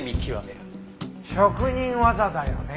職人技だよね。